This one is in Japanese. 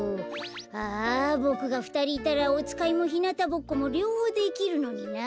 ああボクがふたりいたらおつかいもひなたぼっこもりょうほうできるのにな。